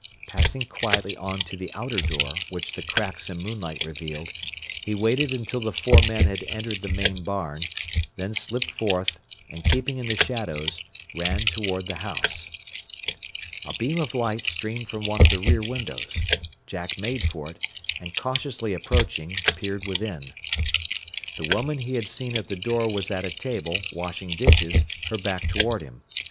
Passing quietly on to the outer door, which the cracks and moonlight revealed, he waited until the four men had entered the main barn, then slipped forth, and keeping in the shadows, ran toward the house. [Illustration: HE SAW THE DETECTIVE LED BY, HIS ARMS BOUND BEHIND HIM.] A beam of light streamed from one of the rear windows. Jack made for it, and cautiously approaching, peered within. The woman he had seen at the door was at a table, washing dishes, her back toward him.